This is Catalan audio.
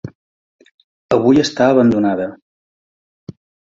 Avui està abandonada.